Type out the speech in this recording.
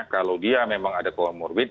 kalau dia memang ada comorbid